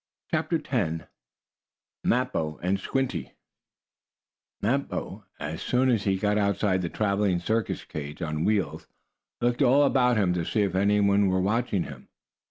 CHAPTER X MAPPO AND SQUINTY Mappo, as soon as he got outside the traveling circus cage on wheels, looked all about him to see if any one were watching him.